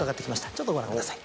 ちょっとご覧ください。